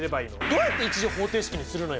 どうやって１次方程式にするのよ。